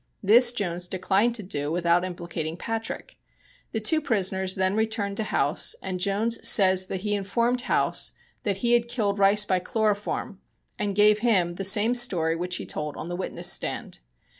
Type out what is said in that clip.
This Jones declined to do without implicating Patrick. The two prisoners then returned to House and Jones says that he informed House that he had killed Rice by chloroform, and gave him the "same story which he told on the witness stand."